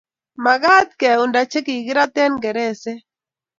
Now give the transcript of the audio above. mekat keunda che kikirat eng' gereset